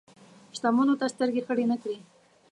شتمنیو ته سترګې خړې نه کړي.